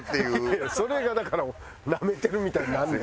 いやいやそれがだからなめてるみたいになんねん。